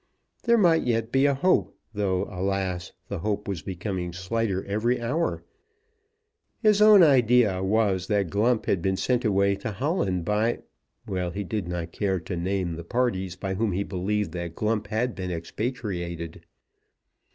There might yet be a hope, though, alas, the hope was becoming slighter every hour. His own idea was that Glump had been sent away to Holland by, well, he did not care to name the parties by whom he believed that Glump had been expatriated.